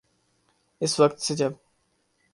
اس وقت سے جب